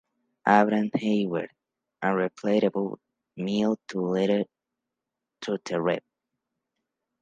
Abraham Hayward: a reply about Mill to a letter to the Rev.